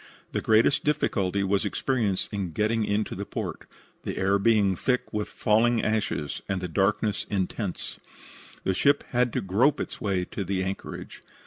The greatest difficulty was experienced in getting into port, the air being thick with falling ashes and the darkness intense. The ship had to grope its way to the anchorage.